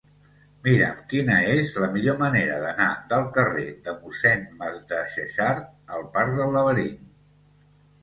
Mira'm quina és la millor manera d'anar del carrer de Mossèn Masdexexart al parc del Laberint.